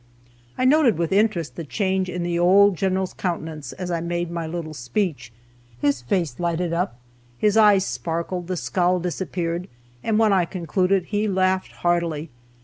I noted with interest the change in the old General's countenance as I made my little speech. His face lighted up, his eyes sparkled, the scowl disappeared, and when I concluded he laughed heartily.